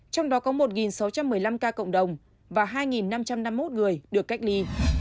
trong đó có một sáu trăm một mươi năm ca cộng đồng và hai năm trăm năm mươi một người được cách ly